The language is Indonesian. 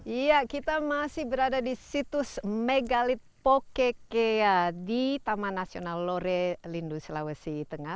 iya kita masih berada di situs megalith co ka di taman nasional lore lindo sulawesi tengah